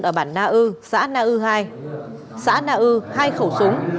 ở bản na ư xã na ư hai xã na ư hai khẩu súng